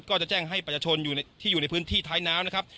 ก็จะแจ้งให้ประชาชนที่อยู่ในพื้นที่ท้ายน้ำนะครับ